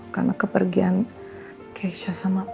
karena kepergian keisha sama papa